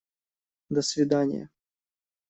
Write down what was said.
До свиданья!